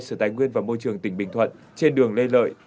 sự tái nguyên và môi trường tỉnh bình thuận trên đường lê lợi